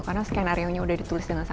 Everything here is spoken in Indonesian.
karena skenario nya udah ditulis dengan saya